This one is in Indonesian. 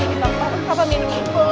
setengah kali benar